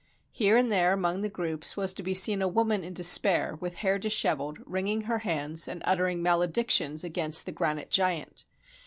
Here and there among the groups was to be seen a woman in despair, with hair dishevelled, wringing her hands, and uttering maledictions against the granite giant.